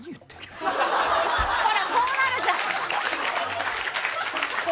ほら、こうなるじゃん。